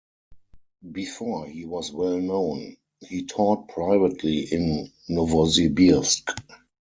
Before he was well-known, he taught privately in Novosibirsk.